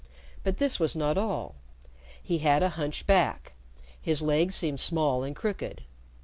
But this was not all. He had a hunch back, his legs seemed small and crooked.